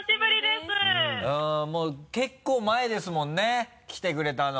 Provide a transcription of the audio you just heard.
もう結構前ですもんね来てくれたの。